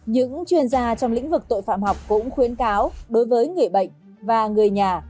những chuyên gia trong lĩnh vực tội phạm học cũng khuyến cáo đối với người bệnh và người nhà